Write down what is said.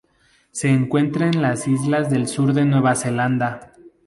Se encuentra en las Islas del Sur de Nueva Zelanda.